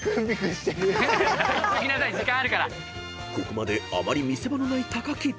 ［ここまであまり見せ場のない木］